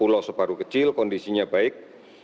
pulau sebaru kecil kondisinya baik